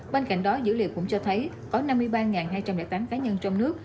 bên cạnh đó dữ liệu cũng cho thấy có năm mươi ba hai trăm linh tám cá nhân trong nước